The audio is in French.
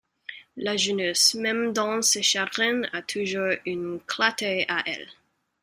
La jeunesse, même dans ses chagrins, a toujours une clarté à elle.